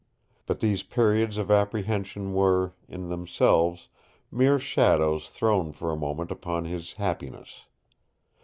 But these periods of apprehension were, in themselves, mere shadows thrown for a moment upon his happiness.